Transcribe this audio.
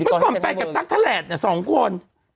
กับตั๊กทะแหลดเนี่ย๒คน